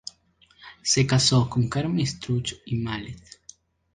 Se casó con Carme Estruch i Malet.